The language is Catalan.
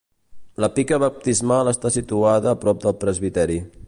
La pica baptismal està situada a prop del presbiteri.